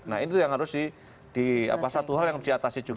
nah itu yang harus di satu hal yang diatasi juga